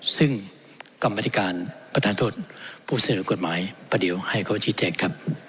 ซึ่งกรรมพิธีการประทานทศผู้สนุนกฎหมายประเดียวไฮโครติเจกต์ครับ